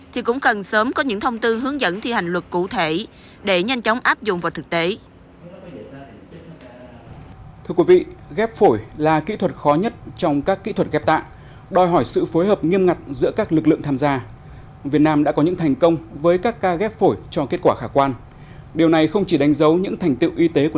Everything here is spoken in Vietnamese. thì cũng cần sớm có những thông tư hướng dẫn thi hành luật cụ thể để nhanh chóng áp dụng vào thực tế